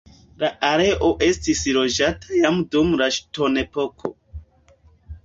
La areo estis loĝata jam dum la ŝtonepoko.